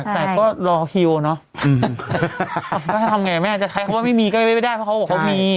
แต่ก็รอคิวเนาะก็ทำไงแม่ใครเขาว่าไม่มีก็ไม่ได้เพราะเขาบอกว่ามี